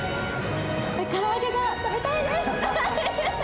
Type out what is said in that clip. から揚げが食べたいです。